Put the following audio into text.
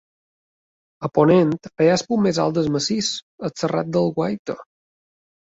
A ponent seu hi ha el punt més alt del massís, el Serrat del Guaita.